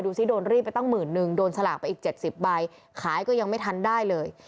ซิโดนรีบไปตั้งหมื่นนึงโดนสลากไปอีก๗๐ใบขายก็ยังไม่ทันได้เลย